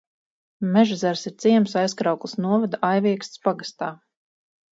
Mežezers ir ciems Aizkraukles novada Aiviekstes pagastā.